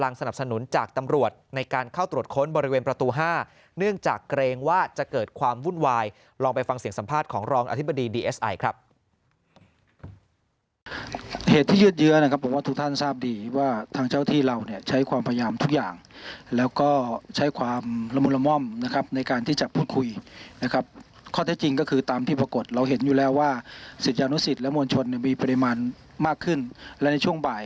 ยังต้องคำนึงถึงความเรียบร้อยความสมบัติเรียบร้อยความปลอดภัยของประชาชนนะครับ